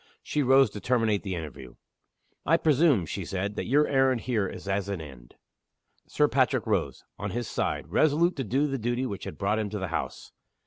She rose to terminate the interview. "I presume," she said, "that your errand here is as an end." Sir Patrick rose, on his side, resolute to do the duty which had brought him to the house.